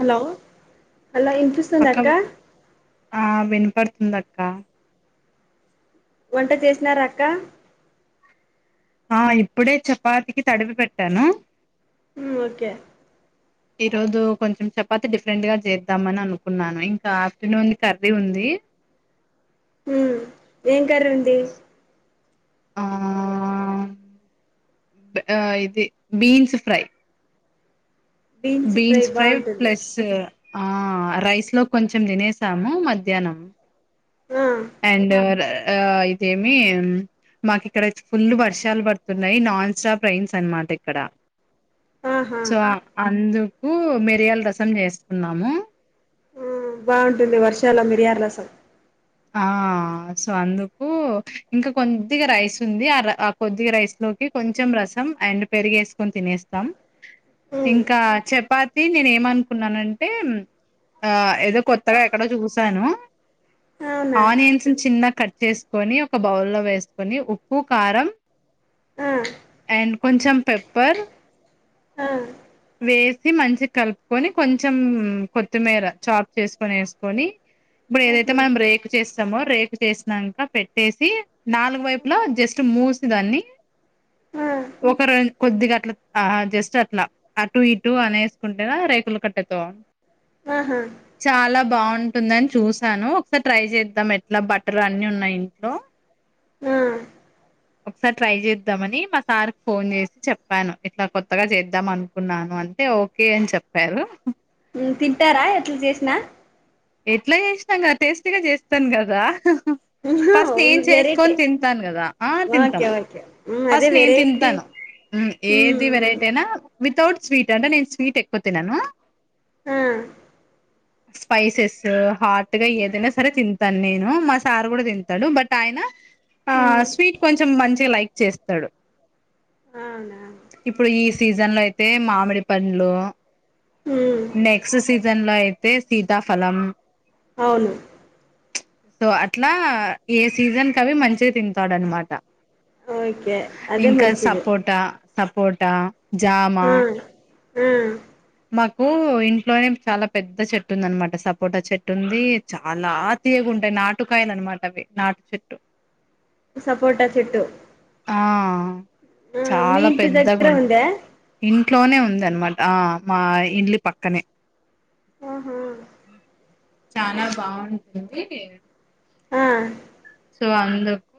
Hello hello ఇన్ఫూస్ంద అక్క ఆ వినపడుతుందక్క వంట చేసినార అక్క ఆ ఇప్పుడే చపాతికి తడివి పెట్టాను ఓకే ఈ రోజు కొంచెం చపాతి డిఫరెంట్ గా చేద్దాంమని అనుకున్నాను ఇంకా ఆఫ్టర్నూన్ కర్రీ ఉంది ది ఉమ్ ఏం కర్రి ఉంది ఆ ఆ ఇది beans fry beans fry plus ఆ రైస్ లో కొంచెం తినేసాము మధ్యాహ్నం ఆ అండ్ ర ఆ ఇదేమి మాకు ఇక్కడయితే ఫుల్ వర్షాలు పడుతున్నాయి్ నాన్ స్టాప్ రయిన్స్ అనమాట ఇక్కడ ఆహా దుకు మిరియాల రసం చేసుకున్నాము ఆ బాగుంటుంది వర్షాల మిరియార్లాసం ఆ సో అందుకు ఇంకా కొద్దిగా రైస్ ఉంది ఆ కొద్దిగా రైస్ లో ఒకే కొంచెం రసం అండ్ పెరిగేసుకొని తినేస్తాం మ్ ఇంకా చెప్ పాతి నేను ఏమనుకున్నానంటే ఆ ఏదో కొత్తగా ఎక్కడో చూసాను అవునా ఆనియన్స్ చిన్న కట్ చేసుకొని ఒక బౌల్ లో వేసుకొని ఉప్పు కారం ఆ అండ్ కొంచెం పెప్పర్ ఆ వేసి మంచి కలుపుకొని కొంచెం కొత్తిమీర చాప్ చేసుకొని వేసుకొని ఇప్పుడేదతే ఆహా మనం పే రేకు చేస్తామో రేకు చేసినాక పెట్టేసి నాలుగు వైపు లో జస్ట్ మూసి దాన్ని ఆ ఒక రజ కొద్దిగా అట్లా ఆ జస్ట్ అట్లా అటు ఇటు అనే వసుకుంటే రేకులు కట్టేత ఆహా చాలా బాగుంటుందని చూసాను ఒక్కసార్ ట్రై చేద్దాం ఎట్లా బటర్ అన్ని ఉన్నాయి ఇంట్లో ఆ ఒకసారి ట్రై చేద్దామని మా సార్కి ఫోన్ చేసి చెప్పాను ఇట్లా కొత్తగా చేద్దాం అనుకున్నాను అంతే ఓకే అని చెప్పారు తింటారా ఎట్లా చేసినా ఎట్లా చేసినాం కదా టేస్టీగా చేస్తాను కదా ఆహా ఫస్ట్ ఏం వెరైటీ చేసుకొని తింటాను కదా ఆ తింటాం ఓకే ఓకే మ్ అదే ఫస్ట్ నేను వెరైటీ తింటాను మ్ ఏది మ్ వెరైటీ అయినా వితౌట్ స్వీట్ అంట నేను స్వీట్ ఎక్పో తన్నాను ఆ స్పైసెస్ హాట్ గా ఏదైనా సరే తి ాను నేను మా సార్ కూడా తింటాడు బట్ ఆయన ఆ మ్ స్వీట్ కొంచెం మంచి లైక్ చేస్తాడు అవునాను ఇప్పుడు ఈ సీజన్ లో అయితే మామిడి పండ్లు మ్ నెక్స్ట్ సీజన్ లో అయితే సీతాఫలం అవును సో అట్లా ఏ సీజన్ క అవి మంచి తింటాడు అనమాట ఓకే అదే ఇంకా మంచిది సపోటా సపోట జమా ఆ ఆ మ ఇంట్లోనే చాలా పెద్ద చెట్టు ఉంది అనమాట సపోటా చెట్టు ఉంది చాలా తీయగా ఉంటాయి నాటుకాయ అనమాటవవి నాటు చెుట్టు సపోట చెట్టు ఆ ఆ మీ చాలా ఇంటి పెద్ద దగ్గర గుండు ఉందా ఇం ఇంట్లోనే ఉంది అనమాట మా ఇడ్లీ పక్కనే ఆహా చాలా బాగుంటుంది ఆ సో అందుకు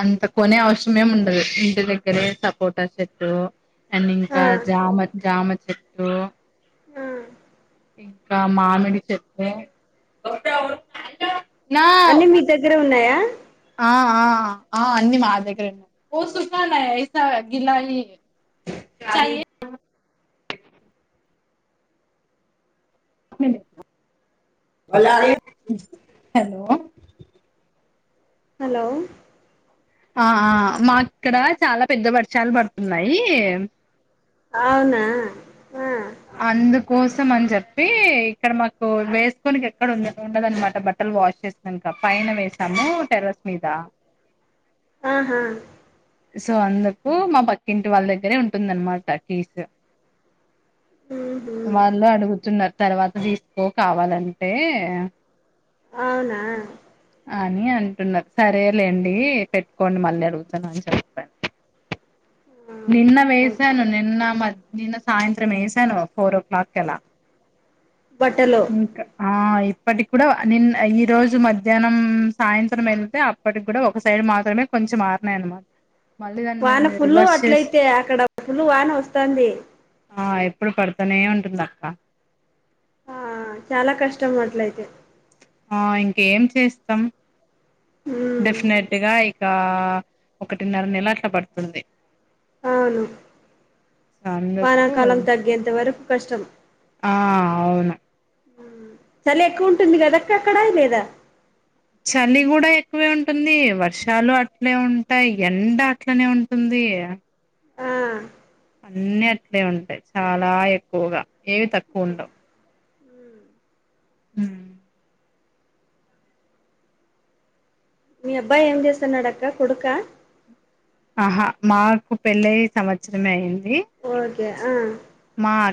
అంత కొనే అవసరమే ఉండదు ఇంటి దగ్గరే సపోటా చెట్టు అండ్ ఆ ఇంకా జామ జామ చెట్టు ఆ ఇంకా మామిడి చెప్ప అన్నీ మీ దగ్గరే ఉన్నాయా ఆ ఆ ఆ అన్న మా దగ్గర ఉన్నా ఓ సుఖాన్ ఎసా గిలాయి చే హలో హలో ఆ మా ఇక్కడ చాలా పెద్ద వర్షాలు పడుతున్నాయి అవునా ఆ కోసం అని చెప్పి ఇక్కడ మాకు వేసుకోనినికి ఎక్కడ ఉ ఉండదనమాట బట్టలు వాష్ చేసినక పైన వేసాము టెరస్ మీద ఆహా సో అందుకు మా పక్కింటి వాళ్ళ దగ్గరే ఉంటుందన్నమాట కీసు ఉహు వాళ్ళు అడుగుతున్నారు తర్వాత తీసుకో కావాలంటే అవునా అని అంటున్నారు సరేలేండి పెట్టుకోండి మళ్ళీ అడుగుతాను అ ఆ నిన్న ఓకే వేసాను నిన్న మ నిన్న సాయంత్రం వేసాను ఫోర్ ఓ క్లాక్ ఎలా బట్టలో ఆ ఇప్పటికి కూడా నిన్న ఈ రోజు మధ్యాహ్నం సాయంత్రం వెళ్తే అప్పటికి కూడా ఒక సైడ్ మా కొ మ వాన ఫుల్లు అట్లయితే అక్కడ ఫుల్లు వాన వస్తాంది ఆ ఎప్పుడు పడుతనే ఉంటుంది అక్క ఆ చాలా కష్టం అట్లయితే ఆ ఇంకేం చేస్తాం ఉమ్ డెఫినెట్ గా ఇంకా ఒకటిన్నర నెల అట్ల పడుతుంది అవును అందుకు వానాకాలం తగ్గేంతవరకు కష్టమే ఆ అవును చలి ఎక్కువ ఉంటుంది కదా అక్క అక్కడా లేదా చలి కూడా ఎక్కువే ఉంటుంది వర్షాలు అట్లే ఉంటాయి ఎండ అట్లనే ఉంటుంది ది ఆ అన్ని అట్లే ఉంటాయి చాలా ఎక్కువగా ఏవి తక్కువ ఉండవు ఉ హ మీ అబ్బాయి ఏం చేస్తున్నాడక్క కొడుకా ఆహా నాకు పెళ్ళయి సంవత్సరమే అయ్యింది ఓకే ఆ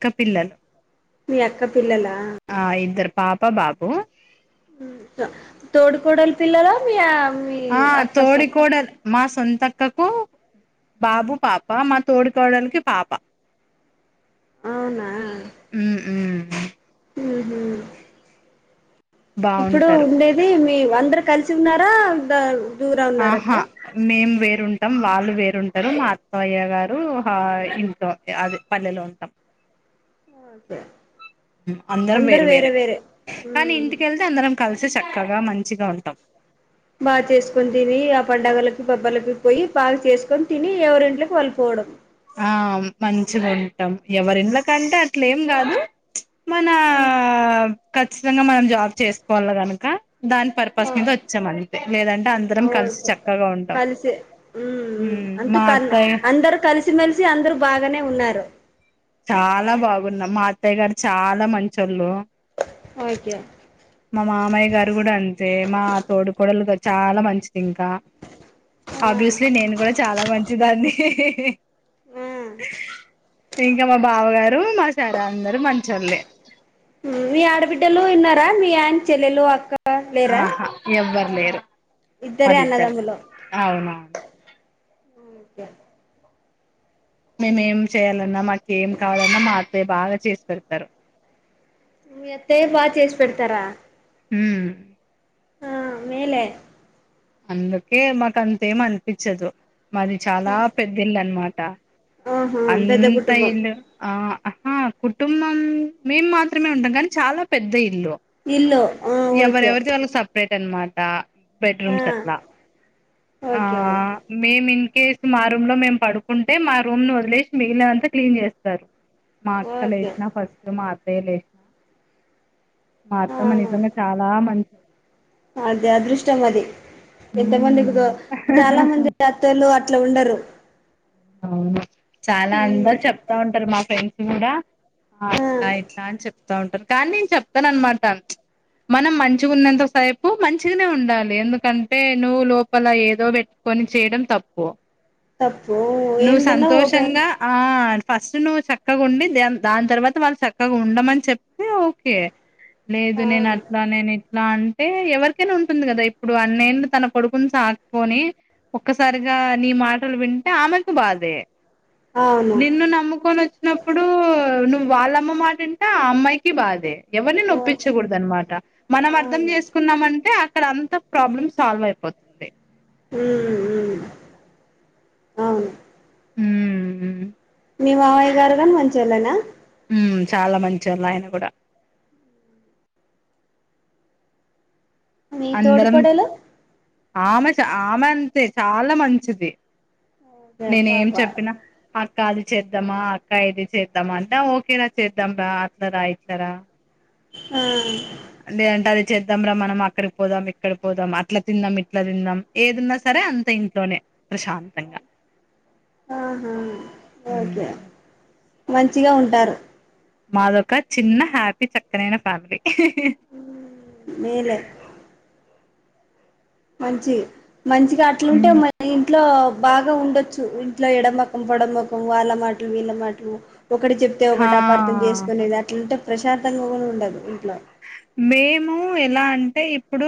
అక్క పిల్లలు మీ అక్క పిల్లలా ఆ ఇద్దరు పాప బాబు తోడుకోడలు పిల్లలా మీ మీ ఆ అక్క సో తోడికోడలు మా సొంతక్కకు బాబు పాప మా తోడి కోడలకి పాప అవునా ఉహు ఇప్పుడు బాగుంటారు ఉండేది మీ అందరు కలిసి ఉన్నారా దూరం ఉన్నారక్క ఆహా మేము వేరే వేరుంటాం వాళ్ళు వేరుంటరు మా అత్తయ్య గారు ఇంట్లో అది పల్లెలో ఉంటరు ఓకే అందరం వేరు వేరే కానీ మ్ ఇంటికెళ్తే అందరం కలిసి చక్కగా మంచిగా ఉంటాం బాగా చేసుకొని తిని ఆ పండుగలకి పబ్బలకి పోయి బాగా చేసుకొని తిని ఎవరింట్లోకి వాళ్ళుపోవడం ఆ మంచిగ ఉంటాం ఎవరిల్లకంటే అట్లేం కాదు మ ఓ ఖచ్చితంగ మనం జాబ్ చేసుకోవాలె గనుక దాని ఆ పర్పస్ మీద వచ్చాం అంతే లేదంటే అందరం కలిసి ఓకే చక్కగా ఉంటాం కలిసి మ్మ్ ఉ మా అత్తయ్య సిమెలిసి అందరు బాగానే ఉన్నారు చాలా బాగున్నాం మా అత్తయ్య గారు చాలా మంచోళ్ళు ఓకే మా మామయ్య గారు కూడా అంతే మా తోడికోడలు చాలా మంచిది ఇంకా ఆ ఆబ్వియస్లీ నేను కూడా చాలా మంచిదాన్ని ఆ ఇంకా మా బావగారు మా సార్ అందరు మంచోళ్లే మీ ఆడబిడ్డలు ఉన్నారా మీ అయనకి చెల్లెలు అక్కలు ఆహా ఎవ్వరు లేరు ఇద్దరే వాళ్ళిద్దరే అన్నదమ్ములు అవునవును మేమేం చేయ్యాలన్నా నాకేం కావాలన్నా మా అత్తయ్య బాగా చేసి పెడతారు మీ అత్తయ్య బాగా చేసి పెడతారా ఉ ఆ మేలే అందుకే మాకు అంత ఏం అనిపించదు మాది చాలా పెద్దిల్లు అన్నమాట ఆహా పెద్ద కుటుంబం అంతయుండు ఆ ఆహా కుటుంబం మేము మాత్రమే ఉంటాం కానీ చాలా పెద్ద ఇల్లు ఇల్లు ఆ ఓకే ఎవరెవది వాళ్లకి సపరేట్ అనమాట ఆ బెడ్రూమ్స్ అట్లా ఆ ఓకే ఓకే మేమ్ మీమ్ కేస్ మా రూమ్ లో మేమ్ పడుకుంటే మా రూమ్ ను వద్ లేశ్ మిగిలినవంతా క్లీన్ జేస్తారు మా అక్క ఓకే లేశ్ నా ఫస్ట్ మా అత్తయ్య లే మా అత్తమ్మ నిజంగా చాలా మంచ్ అదే అదృష్టం మది ఎంత మందిక్ ఉమ్ దో చాలా మంది అత్తలు అట్ ట్లా ఉండరు ఔను చాలా మ్మ్ అందర్ చెప్తా ఉంటార్ మా ఫ్రెండ్స్ కూడా ఆ ఆట్ల ఇట్లా అన్ చెప్ తా ఉంటరు కానీ నేన్ చెప్ తన్ మాట చ్ మనం మంచు గున్నంత సైపు మంచిగనే ఉండాలి ఎందుకంటే నువ్ లోపల ఏదో బెట్ కొని చేయడం తప్పు తప్ నువ్ సంతోషంగా ఆ న్ ఫస్ట్ నువ్వు చక్కగుండి ద్యన్ దాన్ తర్ వాత వాళ్ళు చక్కగా ఉండమన్ చెప్పి ఓకే లేదు నేన్ అవును అట్లా నేన్ ఇట్లా అన్ టే ఎవర్ కైనా ఉంటుంది కదా ఇప్పుడు అన్ యేండ్లు తన కొడుకున్ సాత్ పోని ఒక్కసారిగా నీ మాటల్ వింటే ఆమేద్ బాధే అవును నిన్ను నమ్ముకొనిచ్చినప్పుడు ను వాళ్ళమ్మ మాటింట ఆ అమ్మాయికి బాధే ఎవర్ ని ఓ నొప్పిచకూడద్ అన్ మాట మనం అర్ధం అవును చేసుకున్నామంటే అక్కడ అంతా ప్రాబ్లమ్ సాల్వ్ అయిపోతుంది ఉహుమ్ ఉహుమ్ మీ మావయ్య గార్ గాన్ మంచోలేనా ఉమ్ చాలా మంచోళ్ ఆయాన్ గుడ మీ తోడు అందరం పొడలు ఆమె ష ఆమె అంతే చాలా మంచిది ఓకే నేనేమ్ ఏం పాప చెప్పిన అర్ అక్క అది చేద్దామా అక్కా ఇది చేద్దామా అంటా ఓకేరా చేద్దాం బా అట్లరా ఇట్లరా ఆ లేదంటే అది చేద్దాంరా మనం అక్కడ్ పోదాం ఇక్కడ పోదాం అట్లా తిందాం ఇట్లా తిందాం ఏదున్నా స సరే అంత ఇంట్లోనే ప్రశాంతంగా ఆహా ఓకే మంచిగా ఉంటారు మాదొక చిన్న హ్యాపీ చక్కనైన ఫ్యామిలీ ఉమ్ మేలే మంచి మంచిగా అట్లుంటే మన ఇంట్లో బాగా ఉండొచ్చు ఇంట్లో ఎడమకం పొడమొకం వాళ్ళ మాట్ లు వీళ్ళ మాట్ లు ఒకటి చెప్తే ఒకట్ అపార్థం హా చేసుకునేది అట్లుంటే ప్రశాంతంగా గునా ఉండదు ఇంట్లో మేము ఎలా అంటే ఇప్పుడు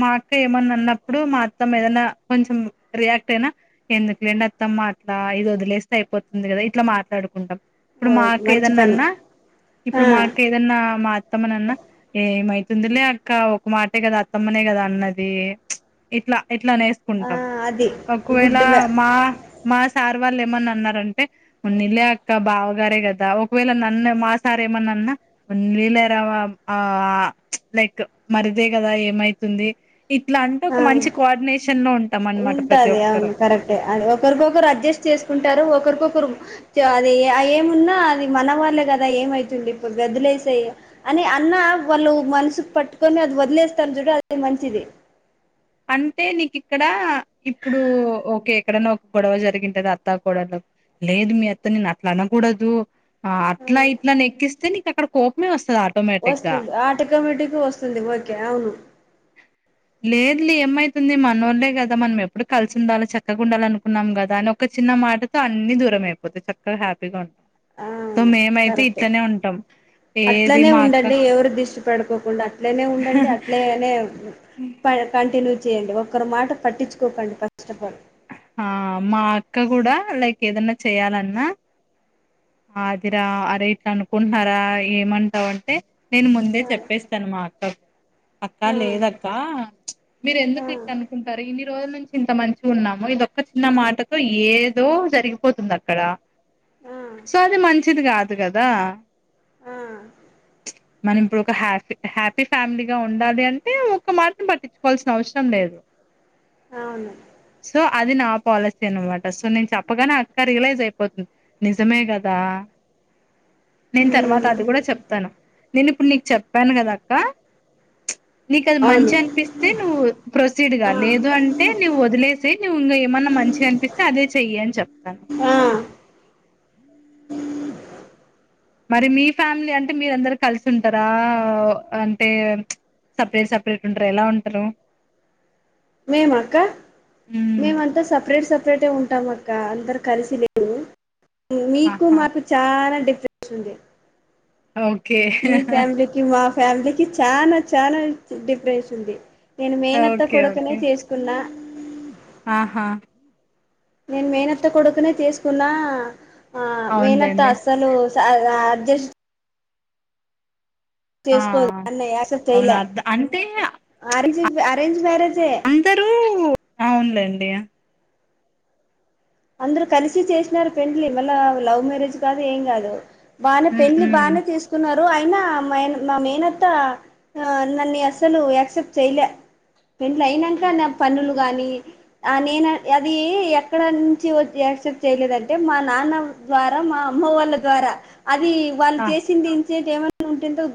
మా అక్క ఏమన్నా అన్నప్పుడు మా అత్తమ్మ ఏదన్నా కా కొంచం రియాక్ట్ అయినా ఎందుక్ లేండి అత్తమ్మా అట్లా ఇదోద్ లేస్త్ అయిపోతుంది కదా ఇట్లా మాత్ టడుకుంటాం ఇప్పుడు ఓయ్ మంచి మాకేదన్నా పని అన్నా ఆ ఇప్పుడు మాకేదన్నా మా అత్తమ్మనన్నా ఏమైతుందిలే అక్క ఒక్ మాటే కదా అత్తమ్మనే కదా అన్నది చ్ ఇట్లా ఎట్లా అనేేస్ ఆ కుంటాం అది ఒక్ వేళ గుడ్ వే మా మా సార్ వాళ్ళు ఏమన్నా అన్నారంటే పోనిలే అక్క బావగారే కదా ఒక్ వేళ నన్ను మా సార్ ఏమన్నా అన్నా కొన్ నీళ్ళరవ్వ ఆ అ చ్ లైకు మర్ దే కదా ఏమైతుంది ఇట్లా అంటే ఆ ఒక మంచి కోఆర్డినేషన్ నొంట్ ఉంటది అవును కరెక్టే అది ఒకరికొకరు అడ్జస్ట్ చేసుకుంటారు ఒకరికొరు. అది ఏమున్నా అది మన వాళ్ళే కదా ఏమైతుంది ఇప్పుడు వదిలేసాయి అన్. కానీ అన్న వాళ్ళు మనసుకు పట్టుకొని అది వదిలేస్తారు చుడు అది మంచిది అంటే నీకు ఇక్కడ ఇప్పుడు ఒక ఎక్కడైనా ఒక గొడవ జరిగింటది అత్తా కోడళ్ళకు లేదు మీ అత్త నేను అట్లా అనకూడదు ఆ అట్లా ఇట్లా ఆని ఎక్కిస్తే నీకు అక్కడ కోపమే వస్తంది వస్తుంది ఆట కమిటికి వస్తుంది ఓకే అవును లేదులీ ఏమమైతుంది మనోళ్లే కదా మనం ఎప్పుడు కలిసి ఉండాలి చక్కగా ఉండాల అనుకున్నాం కదా అని ఒక చిన్న మాటతో అన్ని దూరం అయిపోతాయి చక్కగా హ్యాపీగా ఉంటాం సో అను మేమైతే కరెక్ట్ ఇట్లనే ఉంటాం ఏది అట్లనే మా అక్క ఉండండి ఎవరు దిసు పడుకోకుండా అట్లనే ఉండండి అట్లనే కంటిన్యూ చేయండి ఒకరు మాట పట్టించుకోకండి ఫస్ట్ ఆఫ్ ఆల్ ఆ మా అక్క కూడా లైక్ ఏదన్నా చేయాలన్నా అ అదిరా అరే ఇట్లా అనుకుంటున్నారా ఏమంటావు అంటే నేను ముందే ఆ, చెప్పేస్తా అనమాట మా అక్కకు అక్క ఆ, లేదక్క మీరు ఆ, ఎందుకు ఇట్లా అనుకుంటారు ఇన్ని రోజుల నుంచి ఇంత మంచి గా ఉన్నాము ఇది ఒక్క చిన్న మాటతో ఏదో జరిగిపోతుంది అక్కడ ఆ సో అది మంచిది కాదు కదా ఆ మనం ఇప్పుడు ఒక హ్యాపీ హ్యాపీ ఫ్యామిలీగా ఉండాలి అంటే ఒక మాట పట్టించుకోవాల్సిన అవసరం లేదు లేదు అ సో అది నా పాలసీ అనమాట సో నేను చెప్పగానే అక్క రియలైజ్ అయిపోతుంది నిజమే కదా నేను తర్వాత ఉమ్, అది కూడా చెప్తాను నేను ఇప్పుడు నీకు చెప్పాను కదా అక్క అ నీకు అది మంచి అనిపిస్తే నువ్వు ప్రత్ ప్రొసీడ్ కా లేదు అంటే నువ్వు వదిలేసి నువ్వు ఇంక ఏమన్నా మంచిగా అనిపిస్తే అదే చెయ్యి అని చెప్తాను ఆ మరి మీ ఫ్యామిలీ అంటే మీర అందరు కలిసి ఉంటారా అంటే సపరేట్ సపరేట్ ఉంటార ఎలా ఉంటారు మేమ అక్క మ్మ్ మేమ్ అంత సపరేట్ సపరేటే ఉంటాంక్క అందరు కలిసి లేము మీకు ఆహా మాకు చాలా డిఫరెన్స్ ఉంది ఓకే మీ ఫ్యామిలీకి మా ఫ్యామిలీకి చనా చానా డిఫరెన్స్ ఉంది నేను మేనత్త ఓకే కొడుకనే ఓకే చేసుకున్నా ఆహా నేను మేనత్త కొడుకునే తీసుకున్నా ఆ మేనత్త అవునులేండి అస్సలు ఆ జస్ట్ ఆ చేసుకోదున్న యాక్సెప్ట్ అవును చేయలే అర్థ అంటే అర అరేంజ్ మ్యారేజ్ అందరూ అవునులేండి అందరు కలిసి చేసినారు పెండ్లి మళ్ళా లవ్ మ్యరేజ్ కాదు ఏం కాదు వాళ్ల మ్మ్ పెళ్లి మ్మ్ బానే తీసుకున్నారు అయినా మా మేనత్త నన్ను అసలు యాక్సెప్ట్ చేయలే పెంట్లు అయినాక నా పన్నలు కానీ నేను అది ఎక్కడ యాక్సెప్ట్ చేయలేదంటే మా నాన్న ద్వారా మా అమ్మ వాళ్ళ ద్వారా అది వాళ్ళు చేసింది ఇన్సిడెంట్ ఏమైనా ఉంటుందో